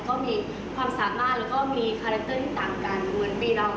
ก็มีความสามารถแล้วก็มีคาแรคเตอร์ต่างกันเหมือนปีเรา